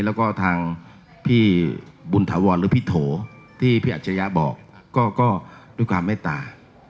แล้วก็ทางพี่บุญถาวรหรือพี่โถที่พี่อัจฉริยะบอกก็ด้วยความเมตตา